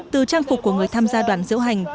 từ trang phục của người tham gia đoàn diễu hành